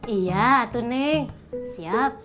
iya tuh neng siap